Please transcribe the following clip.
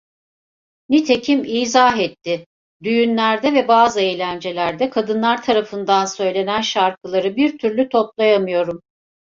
Nitekim izah etti: "Düğünlerde ve bazı eğlencelerde kadınlar tarafından söylenen şarkıları bir türlü toplayamıyorum."